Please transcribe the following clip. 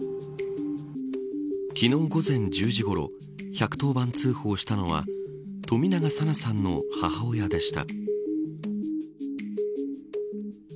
昨日午前１０時ごろ１１０番通報したのは冨永紗菜さんの母親でした。